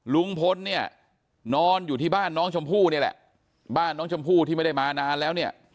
ลุงพลเนี่ยนอนอยู่ที่บ้านน้องชมพู่นี่แหละบ้านน้องชมพู่ที่ไม่ได้มานานแล้วเนี่ย